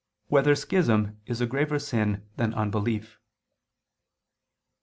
2] Whether Schism Is a Graver Sin Than Unbelief?